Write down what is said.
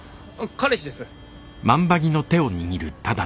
彼氏です。